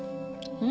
うん？